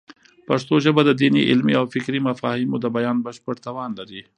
پښتو ژبه د دیني، علمي او فکري مفاهیمو د بیان بشپړ توان لري.